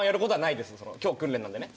今日訓練なんでね。